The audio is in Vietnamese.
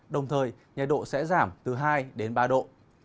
đồng thời nhiệt độ sẽ giảm từ hai đến ba độ